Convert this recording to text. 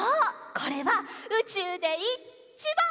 これはうちゅうでいっちばん